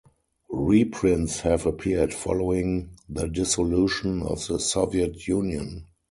Reprints have appeared following the dissolution of the Soviet Union.